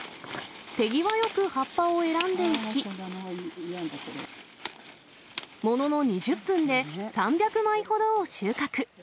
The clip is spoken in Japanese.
手際よく葉っぱを選んでいき、ものの２０分で３００枚ほどを収穫。